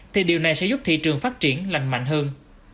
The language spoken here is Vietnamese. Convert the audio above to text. thì điều này sẽ giúp thị trường phát triển lành mạnh hơn